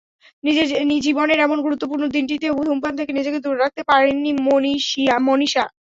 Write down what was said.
জীবনের এমন গুরুত্বপূর্ণ দিনটিতেও ধূমপান থেকে নিজেকে দূরে রাখতে পারেননি মনীষা।